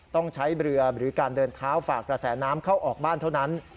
ต้องใช้เรือหรือการเดินเท้าฝากระแสน้ำเข้าออกบ้านเท่านั้น